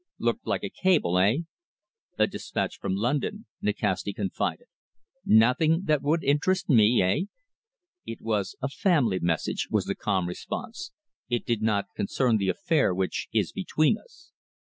Looked like a cable, eh?" "A dispatch from London," Nikasti confided. "Nothing that would interest me, eh?" "It was a family message," was the calm response. "It did not concern the affair which is between us."